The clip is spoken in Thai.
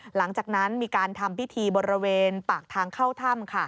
หลังจากนั้นมีการทำพิธีบริเวณปากทางเข้าถ้ำ